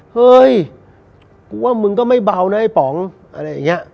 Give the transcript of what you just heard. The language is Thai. เฮ้ยกูว่ามึงก็ไม่เบานะไอ้ป๋องอะไรอย่างนี้